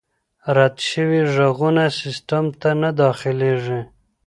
رد شوي ږغونه سیسټم ته نه داخلیږي.